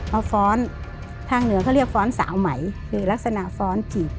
ฟ้อนทางเหนือเขาเรียกฟ้อนสาวใหม่คือลักษณะฟ้อนจิก